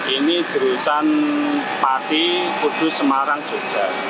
ini jurusan pati kudus semarang jogja